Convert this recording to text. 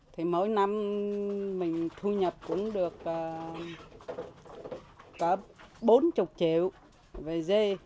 thì mỗi năm mình thu nhập cũng được cỡ bốn mươi triệu về dê